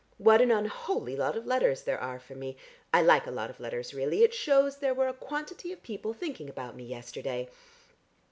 What an unholy lot of letters there are for me! I like a lot of letters really; it shews there were a quantity of people thinking about me yesterday.